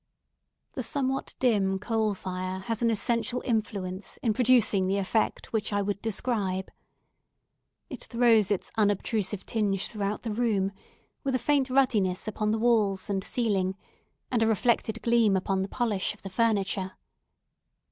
The somewhat dim coal fire has an essential Influence in producing the effect which I would describe. It throws its unobtrusive tinge throughout the room, with a faint ruddiness upon the walls and ceiling, and a reflected gleam upon the polish of the furniture.